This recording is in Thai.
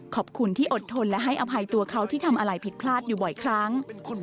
ขอบคุณที่อดทนและให้อภัยตัวเขาที่ทำอะไรผิดพลาดอยู่บ่อยครั้ง